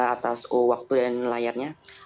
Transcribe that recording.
atas waktu dan layarnya